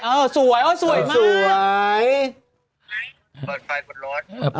เออสวยเว้ยเออสวยมาก